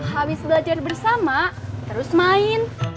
habis belajar bersama terus main